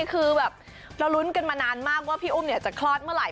คือแบบเรารุ้นกันมานานมากว่าพี่อุ้มจะคลอดเมื่อไห